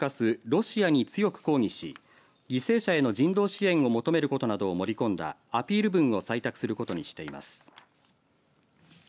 ロシアに強く抗議し犠牲者への人道支援を求めることなどを盛り込んだアピール文を採択することにしています。